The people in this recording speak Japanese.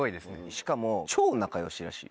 しかも超仲良しらしい。